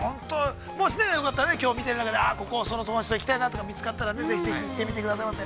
◆きょう見てる中で、ここ、その友達と行きたいなとか見つかったら、ぜひぜひ行ってみてくださいませ。